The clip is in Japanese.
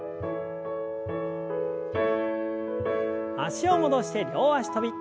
脚を戻して両脚跳び。